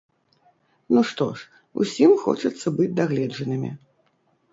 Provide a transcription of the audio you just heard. Ну што ж, усім хочацца быць дагледжанымі!